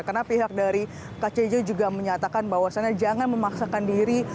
karena pihak dari kcj juga menyatakan bahwasannya jangan memaksakan diri